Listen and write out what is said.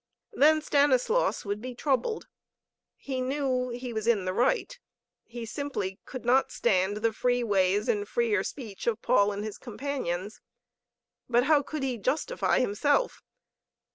Then Stanislaus would be troubled. He knew he was in the right. He simply could not stand the free ways and freer speech of Paul and his companions. But how could he justify himself?